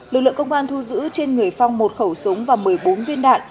lực lượng công an thu giữ trên người phong một khẩu súng và một mươi bốn viên đạn